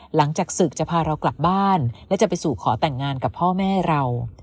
หลังจากศึกจะพาเรากลับบ้านและจะไปสู่ขอแต่งงานกับพ่อแม่เรา